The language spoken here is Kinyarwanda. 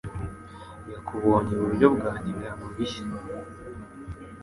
Yakubonye iburyo bwanjye ibihano bishya